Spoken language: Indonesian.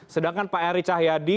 sedangkan pak eri cahyadi